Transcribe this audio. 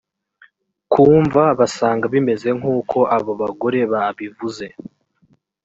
ku mva basanga bimeze nk uko abo bagore babivuze